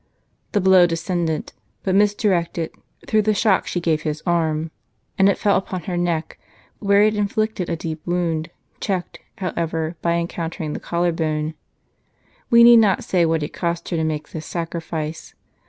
The blow descended, but misdirected, through the shock she gave his arm'; and it fell upon her neck, where it inflicted a deep wound, checked, however, by encountering the collar bone. We need not say what it cost her to make this sacrifice.